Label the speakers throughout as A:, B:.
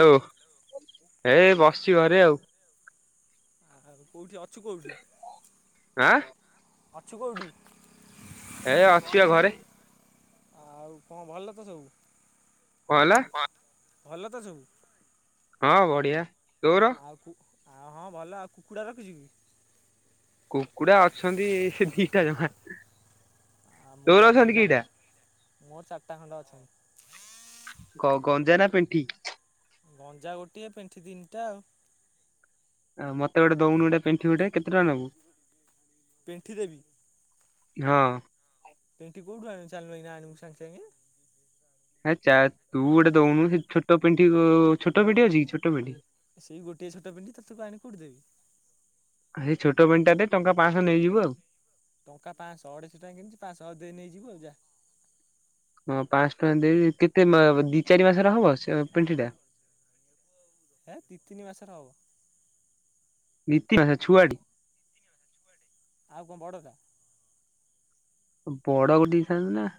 A: Hello ଏ ବସିଛି ଘରେ ଆଉ
B: ଆ ଆଉ କେଉଠି ଅଛି କେଉଠି
A: ହାଁ
B: ଅଛୁ କୋଉଠି
A: ଏ ଅଛି ଆଉ ଘରେ
B: ଆଉ କଣ ଭଲ ତ ସବୁ,
A: କଣ ହେଲା
B: ଭଲ ତ ସବୁ
A: ହଁ ବଢିଆ ତୋର,
B: ଆଉ କୁ ଆଉ ହଁ ଭଲ ଆଉ କୁକୁଡ଼ା ରଖିଛୁ କି,
A: କୁକୁଡା ଅଛନ୍ତି ସେ ଦିଟା ଜମା,
B: ଆ ମୋର
A: ତୋର
B: ଅଛନ୍ତି
A: କିଟା
B: ଚାର ମୋର ଚାରିଟା ଖଣ୍ଡେ ଅଛନ୍ତି,
A: କ ଗଞ୍ଜା ନା ପେଣ୍ଠି
B: ଗଞ୍ଜା ଗୋଟିଏ ପେଣ୍ଠି ତିନିଟା ଆଉ
A: ଆଉ ମତେ ଗୋଟେ ଦଉୁନୁ ଗଟେ ପେଣ୍ଠି ଗୋଟେ କେତେ ଟଙ୍କା ନବୁ,
B: ପେଣ୍ଠି ଦେବି
A: ହଁ
B: ଏଇଠେ କୋଉଠୁ ଆଣିବୁ ଚାଲୁନୁ ଏଇନା ଆଣିମୁ ସାଙ୍ଗେ ସାଙ୍ଗେ
A: ହେ ଯା ତୁ ଗୋଟେ ଦଉନୁ ସେ ଛୋଟ ପେଣ୍ଠି ଛୋଟ ପେଣ୍ଠି ଅଛି କି ଛୋଟ ପେଣ୍ଠି
B: ସେଇ ଗୋଟିଏ ଛୋଟ ପେଣ୍ଠି ତତେ ଆଣି କି କୋଉଠୁ ଦେବି
A: ସେଇ ଛୋଟ ପେଣ୍ଠି ଦେ ଟଙ୍କା ପାହଁ ଶହ ନେଇଯିବୁ ଆଉ
B: ଟଙ୍କା ପାହଁ ଶହ ଅଢେଇଶହ ଟଙ୍କା କିିଣିଛି ପାହଁ ଶହ ଦେଇ ନେଇଯିବୁ ଆଉ ଯା,
A: ହଁ ପାହଁ ଶହ ଟଙ୍କା ଦେଇବି କେତେ ଦି ଚାରି ମାସର ହବ ସେ ପେଣ୍ଠି ଟା,
B: ହେ ଦି ତିନି ମାସର ହବ
A: ଦି ତିନି ଛୁଆଟି
B: ଆଉ କଣ ବଡ ଟା
A: ବଡ ଗୋଟେ ହେଇଥାନ୍ତା ନା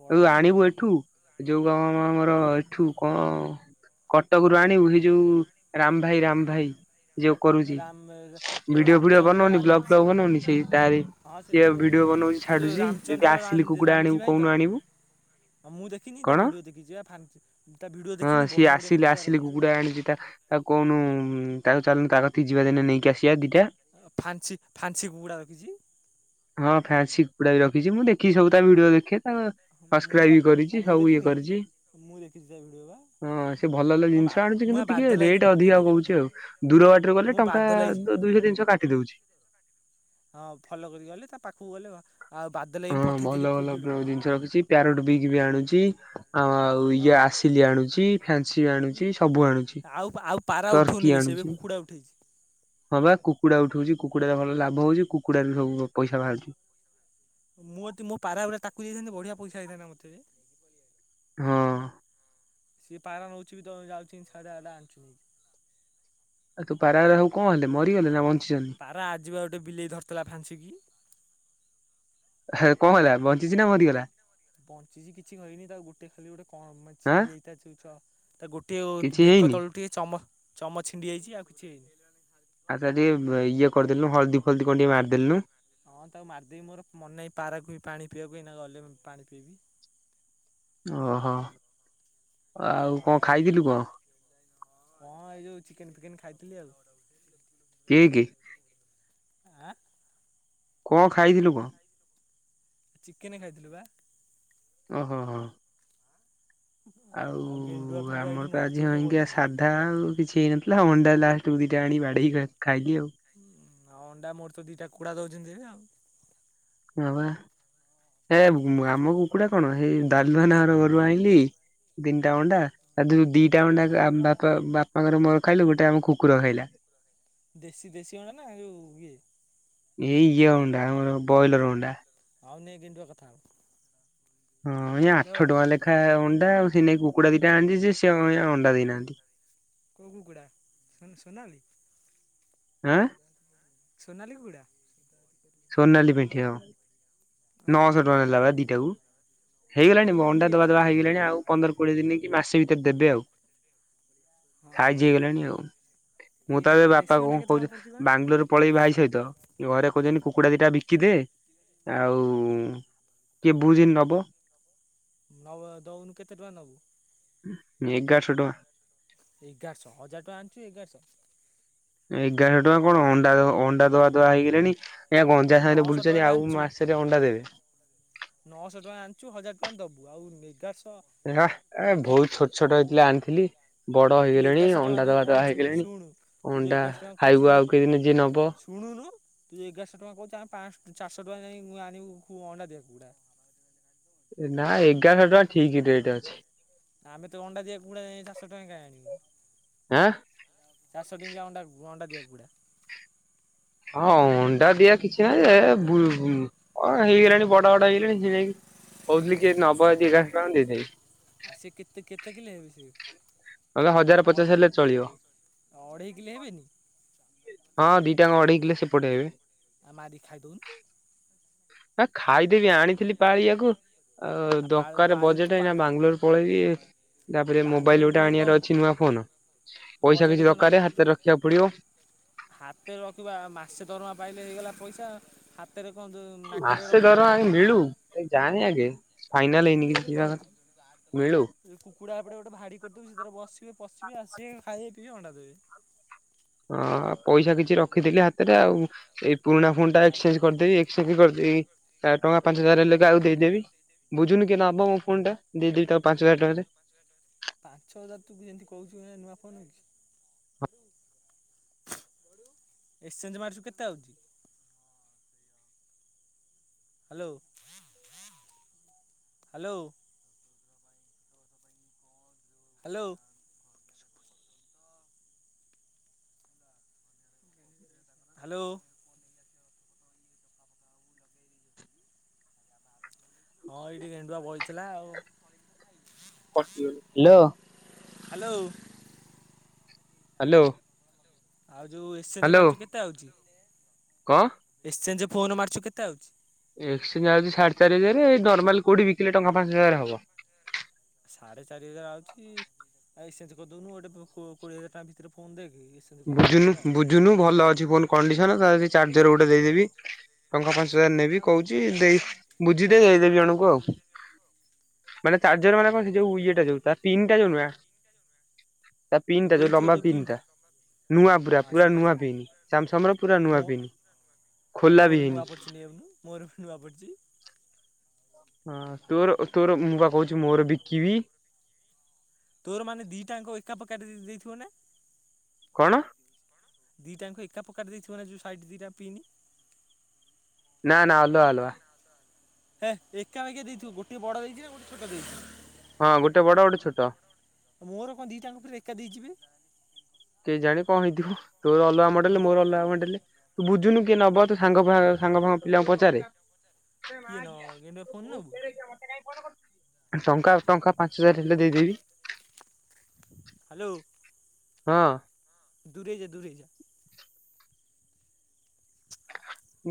B: ବଡ଼
A: ତାକୁ
B: କୋଉଠୁ
A: ଆଣିବୁ ଏଠୁ ଯୋଉ ଗଁ ଗଁ ଆମର
B: କୋଉଠୁ?
A: ଏଠୁ କଣ କଟକରୁ ଆଣିବୁ ଏଇ ଯୋଉ ରାମ ଭାଇ ରାମ ଭାଇ ଯୋଉ କରୁଛି
B: ରାମ ଯୋଉ
A: ଭିଡିଓ ଫିଡିଓ
B: ରାମଚନ୍ଦ୍ର
A: ବନଉନି ବ୍ଲଗ
B: ରାମଚେ
A: ଫ୍ଲଗ ବନଉନି ସେଇ ତାହାରି।
B: ହଁ ସେ
A: ସିଏ
B: ଯୋଉ
A: ଭିଡିଓ ବନଉଛି
B: ସେ ଯୋଉ
A: ଛାଡୁଛି ଯଦି
B: ରାମଚନ୍ଦ୍ର ରାମ
A: ଆସିଲି କୁକୁଡା ଆଣିବୁ କୋଉନୁ ଆଣିବୁ।
B: ହଁ ମୁଁ ଦେଖିନି ତା
A: କଣ
B: ଭିଡିଓ ଦେଖିଛି ଫା ତା ଭିଡିଓ ଦେଖିନି ବଢିଆ ବଢିଆ କୁକୁଡା ରଖିଛି।
A: ଜାଣିଛି ତା - ତାକୁ କହୁନୁ ଚାଲୁନୁ ତା କତିକି ଯିବା ଦିନେ ନେଇକି ଆସିବା ଦିଟା
B: ଫାନ୍ସି ଫାନ୍ସିୀ କୁକୁଡ଼ା ରଖିଛି।
A: ହଁ ଫ୍ୟାନ୍ସି କୁକୁଡ଼ା ବି ରଖିଛି ମୁଁ ଦେଖି ସବୁ ତା ଭିଡିଓ ଦେଖେ ତା
B: ମୁଁ ବା
A: ସକ୍ରାଇବି
B: ଆଉ
A: କରିଛି
B: ମୁଁ
A: ସବୁ ଇଏ
B: ଦେଖିନି କି
A: କରିଛି।
B: ମୁଁ ଦେଖିଛି ତା ଭିଡିଓ ବା
A: ହଁ ସେ ଭଲ ଭଲ
B: ମୁଁ ବା
A: ଜିନିଷ ଆଣୁଛି
B: ମୁଁ
A: କିନ୍ତୁ
B: ବା
A: ଟିକେ
B: ବାଧ୍ୟ ଲାଗିକି
A: ରେଟ୍ ଅଧିକା
B: ପଠେଇଥିଲି
A: କହୁଛି ଆଉ ଦୂର ବାଟରୁ ଗଲେ
B: ମୁଁ
A: ଟଙ୍କା
B: ବାଧ୍ୟ ଲାଗି
A: ଦୁଇଶହ ତିନିଶ - କାଟି ଦଉଛି।
B: ହଁ ଫଲ କରିକି ଗଲେ ତା ପାଖକୁ ଗଲେ ଆଉ ବାଦଲ
A: ହଁ ଭଲ ଭଲ ଜିନିଷ ରଖିଛି ପ୍ୟାରଟ ବିଗ ବି ଆଣୁଚି ଆଉ
B: ହଁ
A: ଇଏ ଆସିଲି ଆଣୁଛି ଫ୍ୟାନସି ଆଣୁଛି ସବୁ ଆଣୁଛି
B: ଆଉ ଆଉ ପାରା
A: ଟର୍କି
B: ଉଠଉନି ସେ ଏବେ
A: ଆଣୁଛି
B: କୁକୁଡ଼ା ଉଠେଇଛି
A: ହଁ ବା କୁକୁଡା ଉଠଉଛି କୁକୁଡାରୁ ଭଲ ଲାଭ ହଉଛି କୁକୁଡାରୁ ସବୁ ପଇସା ବାହାରୁଛି।
B: ମୁଁ ଯଦି ମୋ ପାରା ଗୁରା ତାକୁ ଦେଇଥାନ୍ତି ବଢିଆ ପଇସା ହେଇଥାନ୍ତ ମୋତେ ରେ
A: ହଁ।
B: ସିଏ ପାରା ନଉଛି ବି ଦ ଯାଉଛି [unintelligible]
A: ତୁ ପାରା ଗୁରା ସବୁ କଣ ହେଲେ ମରିଗଲେ ନା ବଞ୍ଚିଛନ୍ତି?
B: ପାରା ଆଜିି ବା ଗୋଟେ ବିଲେଇ ଧରିଥିଲା ଫାଞ୍ଚିକି।
A: ହେ କଣ ହେଲା ବଞ୍ଚିଚି ନା ମରିିଗଲା?
B: ବଞ୍ଚିଛି କିଛି କହିନି ତା ଗୋଟେ ଖାଲି ଗୋଟେ
A: ଆଁ
B: ଛିଣ୍ଡି ହେଇଚ୍ଛ ତା ଚୁଞା ତା ଗୋଟିଏ
A: କିଛି
B: ବେକ
A: ହେଇନି
B: ତଳୁ ଟିକେ ଚମ ଚମ ଛିଣ୍ଡି ଯାଇଛି ଆଉ କିଛି ହେଇନି।
A: ଆଛା ଟିକେ ଇଏ କରିଦେଲୁ ହଳଦୀ ଫଳଦୀ କଣ ଟିକେ ମାରିଦେଲୁନୁ।
B: ହଁ ତାକୁ ମାରିଦେବି ମୋର ମନେ ନାଇ ପାରାକୁ ପାଣି ପିଇବାକୁ ଏଇନା ଗଲେ ମୁଁ ପାଣି ପିଇବି।
A: ଓହୋ
B: ହଁ
A: ଆଉ କଣ
B: ଏ
A: ଖାଇଥିଲୁ କଣ?
B: ହଁ ଏଇ ଯୋଉ ଚିକେନ ଫିକେନ ଖାଇଥିଲି ଆଉ।
A: କିଏ କି?
B: ଆଁ?
A: କଣ ଖାଇଥିଲୁ କଅ?
B: ଚିକେନ ଖାଇଥିଲୁ ବା।
A: ଓ ହୋ ହଁ। ଆଉ
B: ଗେଣ୍ଡୁଆ ଫେଣ୍ଡୁଆ ଏଇଠି
A: ଆମର
B: ମୋ
A: ତ
B: କତିରେ
A: ଆଜି
B: ସବୁ
A: ହାଙ୍ଗିଆ
B: ବଇଛନ୍ତି।
A: ସା ଧା ଆଉ କିଛି ହେଇନଥିଲା ଅଣ୍ଡା ଲାଷ୍ଟକୁୁ ଦିଟା ଆଣି ବାଡେଇକି ଖାଇଲି ଆଉ।
B: ଆଉ ଅଣ୍ଡା ମୋର ତ ଦିଟା କୁକୁଡା ଦଉଛନ୍ତି ଆଉ।
A: ହ ବା ଏ ଆମ କୁକୁଡା କଣ ହେଇ ଡାଲମା ନା ଅରୁଆ ଘରୁ ଆଣିଲି। ତିନିଟା ଅଣ୍ଡା ତାଥରୁ ଦିଟା ଅଣ୍ଡା ବାପା ବାପାଙ୍କର ମୋର ଖାଇଲୁ ଗୋଟେ ଆମ କୁକୁର ଖାଇଲା।
B: ଦେଶୀ ଦେଶୀ ଅଣ୍ଡା ନା ଯୋଉ ଇଏ?
A: ଏଇ ଇଏ ଅଣ୍ଡା ଆମର ବୟଲର ଅଣ୍ଡା।
B: ହଉ ନେ ଗେଣ୍ଡୁଆ କଥା ହବ।
A: ହଁ ଆଜ୍ଞା ଆଠ
B: ଲୋ
A: ଟଙ୍କା ଲେଖା ଅଣ୍ଡା ଆଉ ସେ ନେଇ କୁକୁଡ଼ା ଦିଟା ଆଣିଚି ଯେ ସେ ଅଣ୍ଡା ଦେଇନାହାନ୍ତି।
B: କଉ କୁକୁୁଡ଼ା ମାନେ ସୋନାଲି?
A: ଆଁ।
B: ସୋନାଲି କୁକୁଡ଼ା?
A: ସୋନାଲି ପେଣ୍ଠି ହଁ।
B: ଓହୋ
A: ନଅଶହ ଟଙ୍କା ନେଲା ବା ଦିଟା କୁ ହେଇଗଲାଣି
B: ଦିଟାକୁ
A: ଅଣ୍ଡା ଦବା
B: ନେଇଯାଇଛୁ
A: ଦବା ହେଇଗଲାଣି ଆଉ ପନ୍ଦର କୋଡିଏ ଦିନି କି ମାସେ ଭିତରେ ଦେବେ ଆଉ
B: ହଁ ହଉ
A: ସାଇଯ ହେଇଗଲାଣି ଆଉ। ମୁଁ ତ
B: ଏଇନା
A: ଏବେ
B: ଦେଶୀ
A: ବାପା
B: ଅଣ୍ଡା
A: କଣ
B: କେତେ ଟଙ୍କା
A: କହୁଛି
B: ପଡ଼ିଛି କହନି?
A: ବାଙ୍ଗାଲୋରରେ ପଳେଇବି ଭାଇ ସହିତ ଘରେ କହୁଛନ୍ତି କୁ କୁକୁଡ଼ା ଦିଟା ବିକି ଦେ ଆଉ କିଏ ବୁଝେନି ନବ?
B: ନବ ଦଉନୁ କେତେ ଟଙ୍କା ନବୁ?
A: ଏକଗାର ସହ ଟଙ୍କା।
B: ଏଗାରଶହ ହଜାର ଟଙ୍କା ଆଣିଛୁ ଏଗାରଶହ।
A: ଏଗାର ଟଙ୍କା କଣ ଅଣ୍ଡା -ଅଣ୍ଡା [unintelligible] ଆଜ୍ଞା ଗଞ୍ଜା ସାଙ୍ଗେରେ
B: ନଅଶହ
A: ବୁଲୁଚନ୍ତି
B: ଟଙ୍କାରେ
A: ଆଉ ମାସେରେ ଅଣ୍ଡା ଦେବେ।
B: ନଅଶ ଟଙ୍କା ଆଣିଚୁ ହଜାର୍ ଟଙ୍କା ଦବୁ ଆଉ ଏଗାରଶ୍
A: ଏହା ଏ - ବହୁତ ଛୋଟ ଛୋଟ ହେଇଥିଲା ଆଣିଥିଲି। ବଡ
B: ଆଉ ତୁ
A: ହେଇଗଲେଣି
B: ଏଗାରଶହ ଟଙ୍କା
A: ଅଣ୍ଡା
B: ଯୋଉ
A: ଦବା- ଦବା
B: କହୁଛୁ
A: ହେଇଗଲେଣି
B: ଶୁଣୁ ତୁ ଯୋଉ
A: ଅଣ୍ଡା
B: ଏଗାରଶହ ଟଙ୍କା କହୁଛି
A: ଖାଇବୁ ଆଉ କେତେଦିନ ଯିଏ ନବ
B: ଶୁଣୁନୁ ତୁ ଏଗାରଶ୍ ଟଙ୍କା କହୁଚୁ ଆମେ [unintelligible] ଟଙ୍କା ଦେଇ ମୁଁ ଆଣିବୁ ଅଣ୍ଡା ଦିଆ। [unintelligible]
A: ନା ଏଗାରଶ୍ ଟଙ୍କା ଠିକି ରେଟେ ଅଛି।
B: ଆମେ ତ ଅଣ୍ଡା ଦିଆ କୁକୁଡା ଏ- ଚାରିଶ ଟଙ୍କା [unintelligible] ଆଣିବୁ।
A: ଆଁ
B: ଚାରିଶ ଟଙ୍କିଆ ଅଣ୍ଡା -ଅଣ୍ଡା ଦିଆ କୁକୁଡା।
A: ହଁ ଅଣ୍ଡା ଦିଆ କିଛି ନାହିଁ ଯେ ଏ-ବୁ-ଅ-ହେଇଗଲାଣି ବଡ ବଡ ହେଇଗଲେଣି ସେ ଯାଇ କହୁଥିଲି କିଏ ନବ ଯଦି ଏଗାରଶ୍ ଟଙ୍କା ଦେଇଦେବି।
B: ଆଉ ସେ କେତେ- କେତେ କିଲେ ହେବେ ସେ?
A: ନହେଲେ ହଜାରେ ପଚାଶେ ହେଲେ ଚଳିବ।
B: ଅଢ଼େଇ କିଲେ ହେବେନି
A: ହଁ ଦିଟାଙ୍କ ଅଢେଇକିଲେ ସେପଟେ ହେବେ।
B: ଆଉ ମାରି ଖାଇ ଦଉନୁ।
A: ନା ଖାଇଦେବି ଆଣିଥିଲି ପାଳିବାକୁ। ଆଉ
B: ପାଳ
A: ଦକାରେ
B: ପାଳି ତୁ
A: ବଜେଟେ
B: ପା
A: ଏଇନା ବାଙ୍ଗାଲୋର୍ ପଳେଇବି। ତାପରେ ମୋବାଇଲି
B: ବାଙ୍ଗଲୋର
A: ଗୋଟେ
B: ପଳେଇବୁ କଣ
A: ଆଣିବାର ଅଛି ନୂଆ ଫୋନ ପଇସା
B: ବଜେଟ୍
A: କିଛି
B: କଣ ନାହିଁ
A: ଦକାରେ ହାତରେ ରଖିବାକୁ ପଡିବ।
B: ହାତରେ ରଖିବା ମାସେ ଦରମା ପାଇଲେ ହେଇଗଲା ପଇସା ହାତ୍ ହାତରେ କଣ୍ ତୁ ନାକେରେ ରଖିବୁ ଆଉ।
A: ଏ ଯାନି ଆଗେ ଫାଇନାଲ୍ ହେଇନି କିିଛି ବା ମିଳୁ।
B: କୁକୁଡା ଏପଟେ ଗୋଟେ ଭାଡି କରିଦେବେ ସେଥିରେ ବସିବେ ପଶିବେ ଆସିବେ ଖାଇବେ ପିଇବେ ଅଣ୍ଡା ଦେବେ।
A: ଅଁ- ପଇସା କିଛି ରଖିଥିଲି ହାତେରେ ଆଉ। ଏଇ ପୁରୁଣା ଫୋନ୍ ଟା ଏକ୍ସଚେଞ୍ଜ୍ କରିଦେବି ଏକ୍ସଚେଞ୍ଜ କରିଦେବି ଟଙ୍କା ପାଞ୍ଚ ହଜାର୍ ହେଲେ କାହାକୁ ଦେଇଦେବି। ବୁଝୁନୁ କିଏ ନବ ମୋ ଫୋନ୍ ଟା ଦେଇଦବି ତାକୁ ପାଞ୍ଚ ହଜାର୍ ଟଙ୍କାରେ।
B: ପାଞ୍ଚ ହଜାର୍ ତୁ ବି ଯେମିତି କହୁଚୁ ଏ ନୂଆ ଫୋନ୍ ମିଳୁଚି। ଏକ୍ସଚେଞ୍ଜ୍ ମାରିଚୁ କେତେ ଆଉଚି? Hello -hello. ହାଲୋ। ହାଲୋ। ହଁ ଏଇଠି ଗେଣ୍ଡୁଆ ବଇଥିଲା ଆଉ।
A: ହାଲୋ।
B: ହାଲୋ।
A: ହାଲୋ।
B: ଆଉ ଯଉ ଏକ୍ସଚେଞ୍ଜେ ମାରିଚୁ କେତେ ଆଉଚି
A: କଣ
B: ଏକ୍ସଚେଞ୍ଜେ ଫୋନ ମାରିଚୁ କେତେ ଆଉଚି?
A: ଏକ୍ସଚେଞ୍ଜେ ଯାଉଚି ସାଢେ ଚାରି ହଜାରେ ନର୍ମାଲ୍ କଉଠି ବିକିଲେ ଟଙ୍କା ପାଞ୍ଚ ହଜାରେ ହବ।
B: ସାଢେ ଚାରି ହଜାରେ ଆଉଚି ଆଉ ଏକ୍ସଚେଞ୍ଜେ କରିଦଉନୁ ଗୋଟେ କୋ-କୋଡିଏ ହଜାରେ ଟଙ୍କା ଭିତରେ ଫୋନ୍ ଦେଖେ। କରିଦବୁ ଆଉ ଯା
A: ବୁଝୁନୁ- ବୁଝୁନୁ ଭଲ ଅଛି ଫୋନ୍ କଣ୍ଡିସନ [unintelligible] ଚାର୍ଜର ଗୋଟେ ଦେଇଦେବି। ଟଙ୍କା ପାଞ୍ଚ ହଜାରେ ନେବି କହୁଚି ଦେଇ- ବୁଝିଦେ ଦେଇଦେବି ଜଣକୁ ଆଉ। ମାନେ
B: ଚା
A: ଚାର୍ଜର ମାନେ କଣ ସେ ଯଉ ଇଏଟା ଯଉ ତା ପିନ୍ ଟା ଯଉ ନୁହଁ। ତା ପିନ୍ ଟା ଯଉ
B: ଦେଇଥିବ
A: ଲମ୍ବା
B: ତୋ
A: ପିନ୍
B: ପିନ୍ଟା
A: ଟା। ନୂଆ ପୁରା
B: ହଁ
A: -ପୁରା
B: ସେଇଟା ସେ
A: ନୂଆ ପିନ୍ ସାମସଙ୍ଗ୍ ର ପୁରା ନୂଆ ପିନ୍।
B: ଆ-
A: ଖୋଲା ବି
B: ମୋର
A: ହେଇନି।
B: ନୂଆ ପଡିଚି ନେଇ ଯାଉନୁ ମୋର ନୂଆ ପଡିଚି।
A: ହଁ ତୋର- ତୋର ମୁଁ ପା କହୁଚି ମୋର ବିକିବି।
B: ତୋର ମାନେ ଦିଟାଙ୍କ ଏକା [unintelligible] ଦେଇଥିବ ନା?
A: କଣ?
B: ଦିଟାଙ୍କୁ ଏକା ପ୍ରକାରରେ ଦେଇଥିବ ନା ଯଉ ସାଇଡ ଦିଟା ପିଇନି।
A: ନା ନା ଅଲୁଆ ଅଲୁଆ।
B: ହେ ଏକା ଏକା ଦେଇଥିବ ଗୋଟେ ବଡ ଦେଇଥିବେ ଗୋଟେ ଛୋଟ ଦେଇଥିବେ
A: ହଁ ଗୋଟେ ବଡ ଗୋଟେ ଛୋଟ।
B: ମୋର କଣ ଦିଟାଙ୍କ ପୁରା ଏକା ଦେଇଚିବେ।
A: କେଜାଣି କଁ ହେଇଥିବ ତୋର ଅଲଗା ମଣ୍ଡେଲେ
B: ଦେ
A: ମୋର ଅଲଗା ମଣ୍ଡେଲେ ତୁ ବୁଝୁନୁ କିଏ
B: ମ
A: ନବ ତୁ
B: କିଏ ନ ଗେଣ୍ଡୁଆ ଫୋନ୍ ନବୁ
A: [unintelligible] ଟଙ୍କା ଟଙ୍କା ପାଞ୍ଚ ହଜାର ହେଲେ ଦେଇଦେବି।
B: ହ୍ୟାଲୋ।
A: ହଁ।
B: ଦୂରେଇଯା ଦୂରେଇଯା।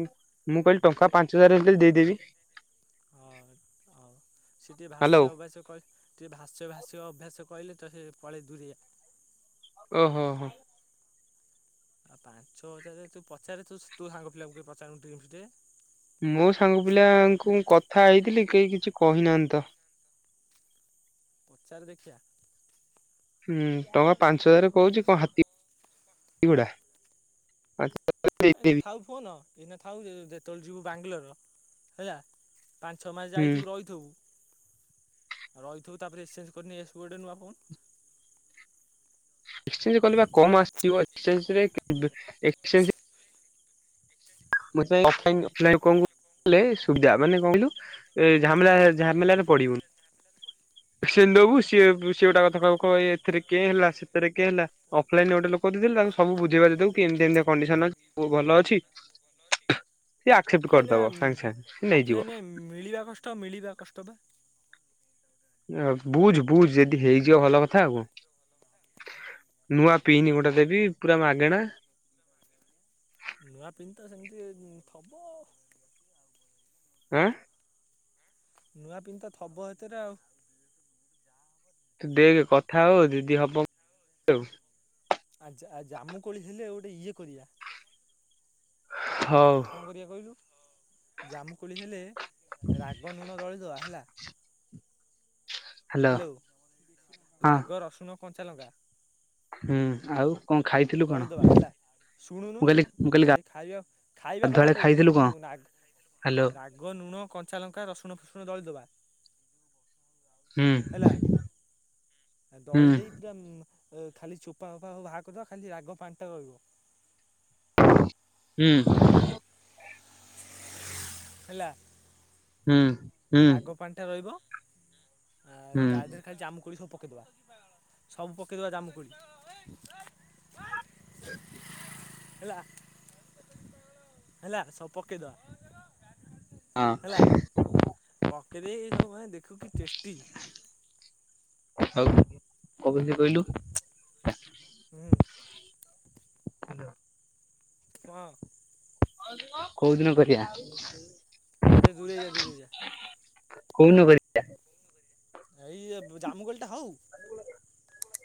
A: ଉଁ ମୁଁ କଇଲି ଟଙ୍କା ପାଞ୍ଚ ହଜାରେ ହେଲେବି ଦେଇଦେବି।
B: ହଁ ହଉ ସେଠି
A: ହ୍ୟାଲୋ
B: ଭାସ ଅଭସା କ ଟିକେ ଭାସ୍ୟ ଭାସ୍ୟ ଅଭ୍ୟାସ କଇଲେ ତ ସେ ପଳେଇ ଦୂରେଇଆ।
A: ଓହୋ ହୋ।
B: ଆଉ ପାଞ୍ଚ ହଜାରେ ତୁ ପଚାରେ ତୁ ତୁ ସାଙ୍ଗ ପିଲାକୁ ପଚାରନୁ [unintelligible]
A: ମୋ ସାଙ୍ଗ ପିଲାଙ୍କୁ କଥା ହେଇଥିଲି କେହି କିଛି କହିନାହାନ୍ତି ତ।
B: ପଚାର ଦେଖିଆ।
A: ହୁଁ ଟଙ୍କା ପାଞ୍ଚ ହଜାରେ କହୁଚି କଣ ହାତୀ ଗୁଡ଼ା। [unintelligible]
B: କାହିଁତ ଥାଉ ଫୋନ ଏଇନା ଥାଉ ଯେତେବେଳେ ଯିବୁ ବାଙ୍ଗଲୋର ହେଆ ପାଞ୍ଚ ଛଅ ମାସ
A: ହୁଁ
B: ଯାଇଥିବୁ ରହିଥିବୁ ଆଉ ରହିଥିବୁ ତାପରେ ଏକ୍ସଚେଞ୍ଜ କରିନି ନେଇଆସିବୁ‌ ଗୋଟେ ନୂଆ ଫୋନ୍।
A: ଏକ୍ସଚେଞ୍ଜ କଲେପା କମ ଆସିବ ଏକ୍ସଚେଞ୍ଜ ରେ ଏକ୍ସଚେଞ୍ଜ ମୁଁ [unintelligible] ଅଫ୍ ଲାଇନ୍ ଅଫ୍ ଲାଇନ୍ କାଇଲେ ସୁବିଧା ମାନେ କଁ କଇଲୁ ଏ ଝାମେଲା ଝାମେଲାରେ ପଡିବୁନୁ। ସେ ନବୁ ସିଏ ବି ସିଏ ଗୋଟା କଥା କହିବ କହିବ ଏଥିରେ କେଁ ହେଲା ସେଥିରେ କେଁ ହେଲା। ଅଫଲାଇନ ଗୋଟେ ଲୋକ ଦେଇଥିଲେ ତାକୁ ସବୁ ବୁଝେଇ ବାଝେଇ ଦବୁ କି ଏମିତି ଏମିତିଆ କଣ୍ଡିସନ ଅଛି ସବୁ ଭଲ ଅଛି। ସିଏ ଆକ୍ସେପ୍ଟ
B: ଅଫଲାଇନ
A: କରିଦବ
B: ପା ମି
A: ସାଙ୍ଗେ ସାଙ୍ଗେ ସେ ନେଇଯିବ
B: ଅଫଲାଇନ ମି ମିଳିବା କଷ୍ଟ ମିଳିବା କଷ୍ଟ ବା।
A: ଏ ବୁଝୁ ବୁଝୁ ଯଦି ହେଇଯିବ ଭଲ କଥା ଆଉ କ। ନୂଆ ପିଇନି ଗୋଟେ ଦେବି ପୁରା ମାଗେଣା।
B: ନୂଆ ପିନ୍ ତ ସେମିତି ଉଁ ଥବ।
A: ଆଁ।
B: ନୂଆ ପିନ୍ ତ ଥବ ସେଥିରେ ଆଉ।
A: ତୁ ଦେଖେ କଥା ହ ଯଦି ହବ ଆଉ।
B: ଆ ଜା ଆ ଜାମୁ କୋଳି ହେଲେ ଗୋଟେ ଇଏ କରିଆ।
A: ହଉ।
B: କଣ କରିଆ କଇଲୁ ଜାମୁକୋଳି ହେଲେ ରାଗ ନୁଣ ଦଳିଦବା ହେଲା ହ୍ୟାଲୋ
A: ହଁ।
B: ଲାଗ ରସୁଣ, କଞ୍ଚାଲଙ୍କା
A: ହୁଁ ଆଉ କଣ ଖାଇଥିଲୁ କଣ?
B: ହେଲା ଶୁଣୁନୁ
A: ମୁଁ କହିଲି ମୁଁ କହିଲି
B: ସେ ଖାଇବା ଖାଇବା
A: ଗାଧୁଆଳେ
B: କଥା କହୁଚି
A: ଖାଇଥିଲୁ କଣ?
B: ରଉନୁ‌ ନାଗ୍
A: ହ୍ୟାଲୋ।
B: ରାଗ ନୁଣ, କଞ୍ଚାଲଙ୍କା, ରସୁଣ ଫୁସୁଣ ଦଳିଦବା
A: ହୁଁ
B: ହେଲା ଆ
A: ହୁଁ
B: ଦଳି ଦେଇ ପୁରା ଉମ୍ ଏ ଖାଲି ଛୋପା ଫୋପା ସବୁ ବାହାର କରିଦେବା ଖାଲି ରାଗ ପାଣ୍ଟା ରହିବ।
A: ହୁଁ।
B: ହେଲା
A: ହୁଁ ହୁଁ
B: ରାଗ ପାଣିଟା ରହିବ। ଆଉ
A: ହୁଁ
B: ତା
A: ହଁ
B: ଦେହରେ ଖାଲି ଜାମୁକୋଳି ସବୁ ପକେଇଦବା ସବୁ ପକେଇଦବା ଜାମୁକୋଳି।
A: [inaudible]
B: ହେଲା ହେଲା ସବୁ ପକେଇଦବା
A: ହଁ, ସେ।
B: ପକେଇଦେଇ ଏ ସବୁ ଭାଇ ଦେଖୁ କି ଟେଷ୍ଟି।
A: ଆଉ କବିଲି କହିଲୁ।
B: ହୁଁ। କଣ।
A: କୋଉ ଦିନ କରିବା।
B: ଆଉ ଟିକେ ଦୂରେଇ ଯା ଦୂରେଇ ଯା।
A: କହୁଦିନ କରି
B: ଏଇ ଏଫ୍ ଜାମୁକୋଳିଟା ହଉ।